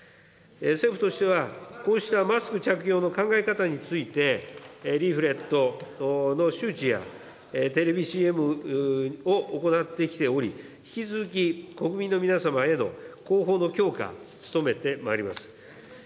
政府としては、こうしたマスク着用の考え方について、リーフレットの周知や、テレビＣＭを行ってきており、引き続き国民の皆様への広報の強化に努めてまいります。